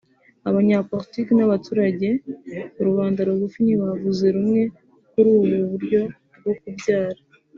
abanyapolitiki n’abaturage rubanda rugufi ntibavuze rumwe kuri ubu buryo bwo kubyara